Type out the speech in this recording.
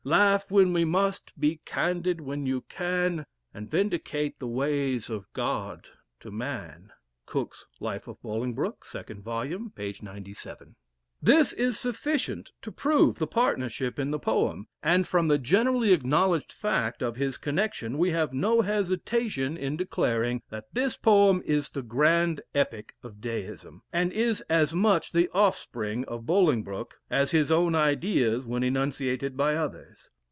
Laugh when we must, be candid when you can, And vindicate the ways of God to man." * Cook's Life of Bolingbroke, 2nd vol., p. 97.. This is sufficient to prove the partnership in the poem, and from the generally acknowledged fact of his connection, we have no hesitation in declaring that this poem is the grand epic of Deism, and is as much the offspring of Bolingbroke, as his own ideas when enunciated by others.